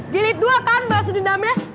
jelit dua kan baru sedunamnya